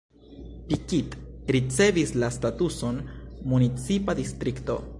Pikit ricevis la statuson municipa distrikto.